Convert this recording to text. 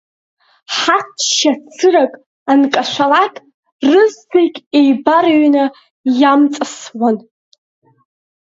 Ҳаҷҷа цырак анкашәалак, рызегьы еибарыҩны иамҵасуан.